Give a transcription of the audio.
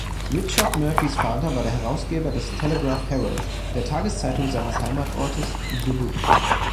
Richard Murphys Vater war der Herausgeber des "Telegraph Herald", der Tageszeitung seines Heimatortes Dubuque.